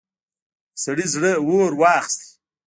د سړي زړه اور واخيست.